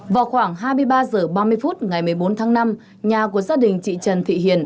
vào khoảng hai mươi ba h ba mươi phút ngày một mươi bốn tháng năm nhà của gia đình chị trần thị hiền